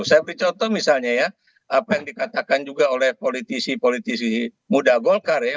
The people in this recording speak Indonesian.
saya beri contoh misalnya ya apa yang dikatakan juga oleh politisi politisi muda golkar ya